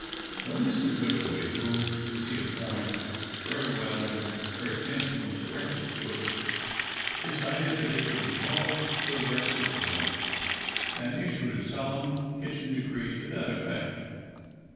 So Mrs. Wycherley, who could see a point very well when her attention was directed to it, decided that it should be called the breakfast room, and issued a solemn kitchen decree to that effect.